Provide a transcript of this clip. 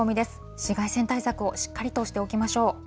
紫外線対策をしっかりとしておきましょう。